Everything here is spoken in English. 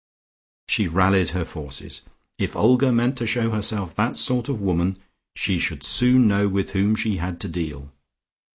She rallied her forces. If Olga meant to show herself that sort of woman, she should soon know with whom she had to deal.